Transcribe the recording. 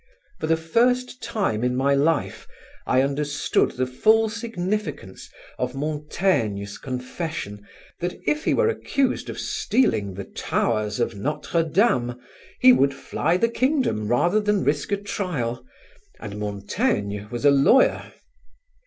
For the first time in my life I understood the full significance of Montaigne's confession that if he were accused of stealing the towers of Notre Dame, he would fly the kingdom rather than risk a trial, and Montaigne was a lawyer.